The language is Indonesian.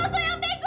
lo tuh yang bego